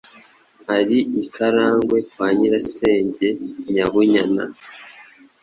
Ari i Karagwe kwa Nyirasenge Nyabunyana”.